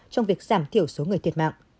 trong việc giảm thiểu số người thiệt mạng